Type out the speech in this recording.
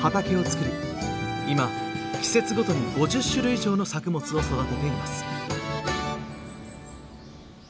今季節ごとに５０種類以上の作物を育てています。